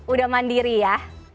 udah mandiri ya